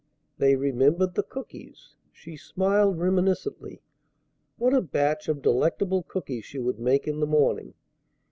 They remembered the cookies! She smiled reminiscently. What a batch of delectable cookies she would make in the morning!